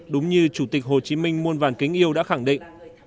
đúng như chủ tịch hồ chí minh muôn vàn kính yêu đã khẳng định